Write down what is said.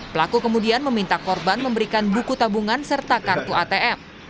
pelaku kemudian meminta korban memberikan buku tabungan serta kartu atm